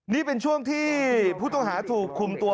นี่เป็นช่วงที่ผู้ต้องหาถูกคุมตัว